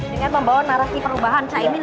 dengan membawa narasi perubahan cak imin